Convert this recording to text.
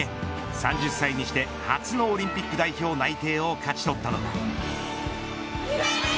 ３０歳にして初のオリンピック代表内定を勝ち取ったのが。